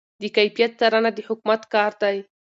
د کیفیت څارنه د حکومت کار دی.